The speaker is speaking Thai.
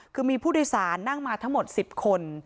คือมีผู้โดยสารนั่งมาทั้งหมด๑๐คน